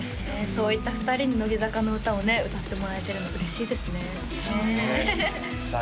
そういった２人に乃木坂の歌をね歌ってもらえてるの嬉しいですねねえさあ